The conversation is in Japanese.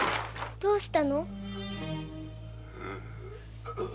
どうした？